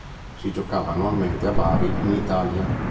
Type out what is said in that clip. Si giocava annualmente a Bari in Italia.